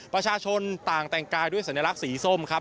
ประชาชนต่างแต่งกายด้วยสัญลักษณ์สีส้มครับ